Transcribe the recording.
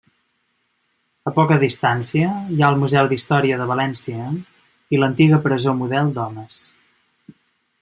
A poca distància hi ha el Museu d'Història de València i l'antiga Presó Model d'Homes.